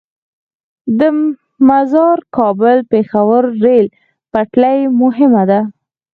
د مزار - کابل - پیښور ریل پټلۍ مهمه ده